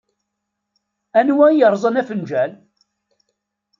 Anwa i yerẓan afenǧal?